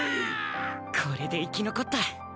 これで生き残った！